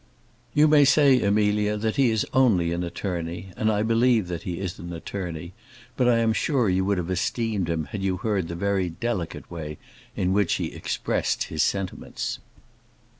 You may say, Amelia, that he is only an attorney, and I believe that he is an attorney; but I am sure you would have esteemed him had you heard the very delicate way in which he expressed his sentiments.